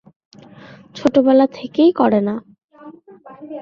ছোটবেলা থেকেই করে না।